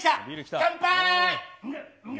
乾杯！